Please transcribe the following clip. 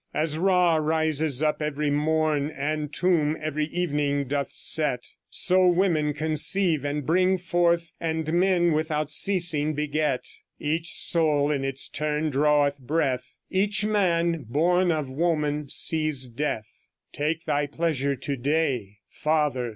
As Ra rises up every morn, And Tum every evening doth set. So women conceive and bring forth, And men without ceasing beget. Each soul in its turn draweth breath, Each man born of woman sees death. Take thy pleasure to day, Father!